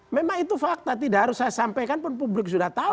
memang itu fakta tidak harus saya sampaikan pun publik sudah tahu